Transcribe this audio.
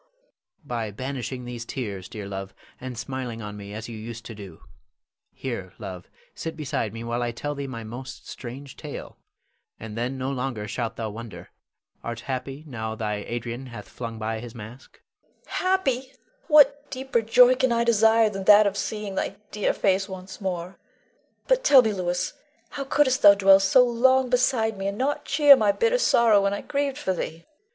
_] Louis. By banishing these tears, dear love, and smiling on me as you used to do. Here, love, sit beside me while I tell thee my most strange tale, and then no longer shalt thou wonder. Art happy now thy Adrian hath flung by his mask? Leonore. Happy! What deeper joy can I desire than that of seeing thy dear face once more? But tell me, Louis, how couldst thou dwell so long beside me and not cheer my bitter sorrow when I grieved for thee.